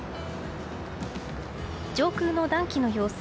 上空の暖気の様子。